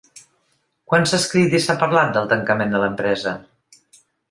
Quant s’ha escrit i s’ha parlat del tancament de l’empresa?